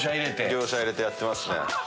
業者入れてやってます。